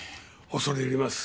恐れ入ります。